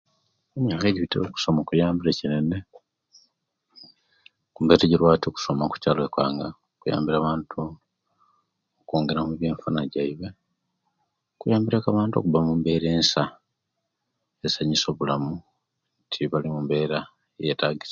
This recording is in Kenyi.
Emiaka ejibitire okusoma kuyambire kinene, okuba kulwati okusoma mukyaalo kyange kuyambire abantu okwongeramu ebyenfuna jjaawe kwambire abantu okuba mumbeera eensa esenyusia obulamu tibali mumbera eyeta